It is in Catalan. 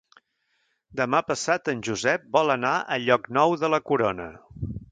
Demà passat en Josep vol anar a Llocnou de la Corona.